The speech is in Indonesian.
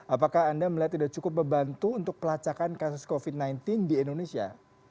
apakah anda melihat tidak cukup membantu untuk pelacakan kasus covid sembilan belas di indonesia